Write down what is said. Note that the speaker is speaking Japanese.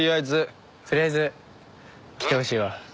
取りあえず来てほしいわ。